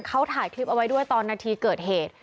เขาถ่ายคลิปเอาไว้ด้วยตอนนาทีเกิดเหตุ